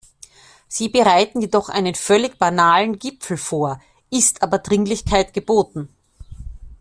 Sie bereiten jedoch einen völlig banalen Gipfel vorist aber Dringlichkeit geboten.